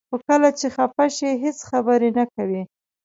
خو کله چې خفه شي هیڅ خبرې نه کوي.